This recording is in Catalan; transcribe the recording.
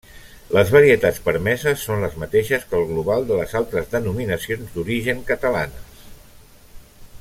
Les varietats permeses són les mateixes que el global de les altres denominacions d'origen catalanes.